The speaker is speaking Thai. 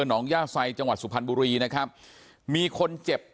น้องย่าไซจังหวัดสุพรรณบุรีนะครับมีคนเจ็บ